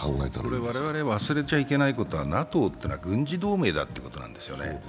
我々、忘れちゃいけないことはＮＡＴＯってのは軍事同盟だってことです。